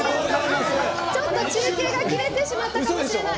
ちょっと中継が切れてしまったかもしれない。